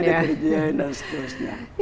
iya deterjen dan seterusnya